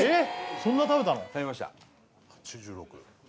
そんな食べたの食べました８６